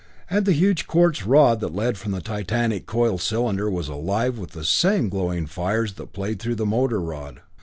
And the huge quartz rod that led from the titanic coil cylinder was alive with the same glowing fires that played through the motor rod.